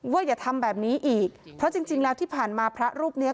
อย่าทำแบบนี้อีกเพราะจริงจริงแล้วที่ผ่านมาพระรูปเนี้ย